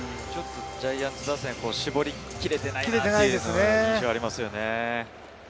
ジャイアンツ打線絞りきれてないなっていう印象がありますよね。